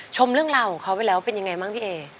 ชมเรื่องราวของเขาไปแล้วเป็นยังไงบ้างพี่เอ